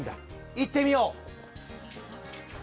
いってみよう！